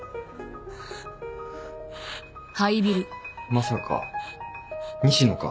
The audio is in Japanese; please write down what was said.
まさか西野か？